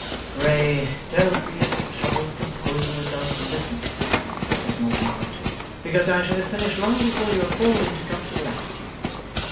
'Pray don't be at the trouble of composing yourselves to listen,' says Mortimer Lightwood, 'because I shall have finished long before you have fallen into comfortable attitudes.